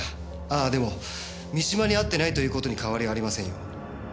ああでも三島に会ってないということに変わりありませんよ。